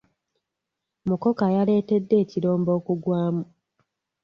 Mukoka yaletedde ekirombe okugwamu.